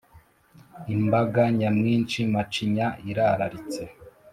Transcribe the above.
Imbaga nyamwinshi macinya irararitse